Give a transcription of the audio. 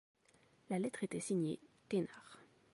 La lettre était signée « Thénard ».